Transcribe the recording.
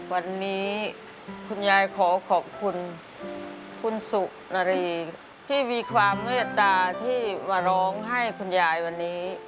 วันนี้คุณยายขอขอบคุณคุณสุนารีที่มีความเมตตาที่มาร้องให้คุณยายวันนี้